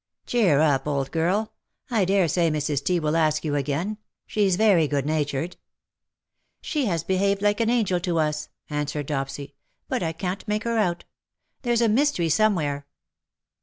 " Cheer up, old girl. I daresay Mrs. T. will ask you again. She's very good natured.'' " She has behaved like an angel to us/' answered Dopsy, "but I can't make her out. There's a mystery somewhere."